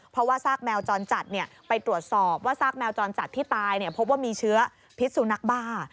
เพราะว่าซากแมวจรจัดไปตรวจสอบว่าซากแมวจรจัดที่ตายพบว่ามีเชื้อพิษสุนัขบ้า